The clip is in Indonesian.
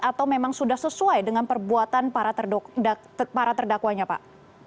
atau memang sudah sesuai dengan perbuatan para terdakwanya pak